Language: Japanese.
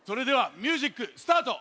ミュージックスタート！